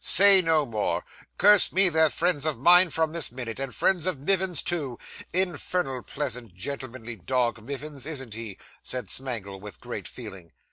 'Say no more. Curse me, they're friends of mine from this minute, and friends of Mivins's, too. Infernal pleasant, gentlemanly dog, Mivins, isn't he?' said Smangle, with great feeling.